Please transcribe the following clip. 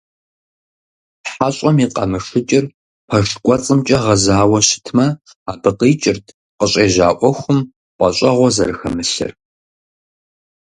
ХьэщӀэм и къамышыкӀыр пэш кӀуэцӀымкӀэ гъэзауэ щытмэ, абы къикӀырт къыщӏежьа Ӏуэхум пӀэщӀэгъуэ зэрыхэмылъыр.